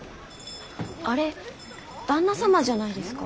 あれ旦那様じゃないですか？